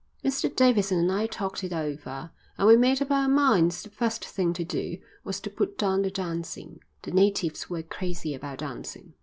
"Mr Davidson and I talked it over, and we made up our minds the first thing to do was to put down the dancing. The natives were crazy about dancing."